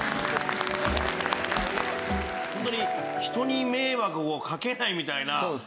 ホントに人に迷惑をかけないみたいな。